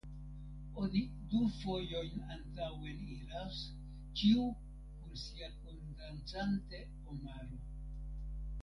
Oni du fojojn antaŭen iras, ĉiu kun sia kundancanta omaro.